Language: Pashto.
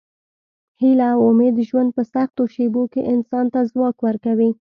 هیله او امید د ژوند په سختو شېبو کې انسان ته ځواک ورکوي.